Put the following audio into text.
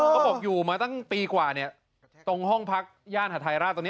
เขาบอกอยู่มาตั้งปีกว่านี้ตรงห้องพักย่านหาทายราช